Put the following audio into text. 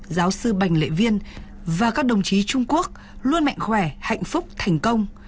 giáo sư bành lệ viên và các đồng chí trung quốc luôn mạnh khỏe hạnh phúc thành công